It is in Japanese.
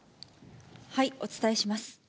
お伝えします。